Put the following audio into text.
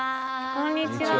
こんにちは。